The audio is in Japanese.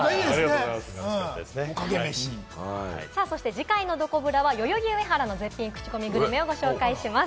次回のどこブラは代々木上原のクチコミグルメをご紹介します。